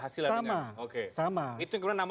hasilnya sama sama itu yang kemudian nama